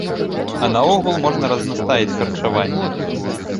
А наогул можна разнастаіць харчаванне.